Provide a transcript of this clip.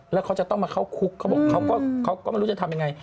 แล้วเขาจะต้องมาเข้าคุกเขาบอกเขาก็ไม่รู้จะทำยังไง